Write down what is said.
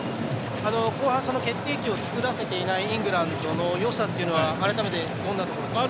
後半、決定機を作らせていないイングランドのよさというのは改めてどんなところでしょうか？